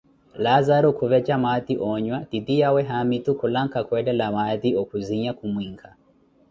Laazaru khuveca maati oonyua, titiyawe haamitu khulanka kwettela maati okhuzinha kumwinkha.